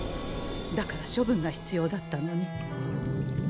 だから処分が必要だったのに。